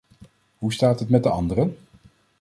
Hoe staat het met de anderen?